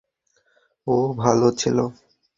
ও ভালো ছিলো।